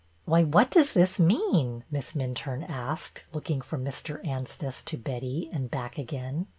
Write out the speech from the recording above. Why, what does this mean? Miss Minturne asked, looking from Mr. Anstice to Betty and back again.